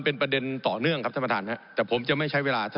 ผมอภิปรายเรื่องการขยายสมภาษณ์รถไฟฟ้าสายสีเขียวนะครับ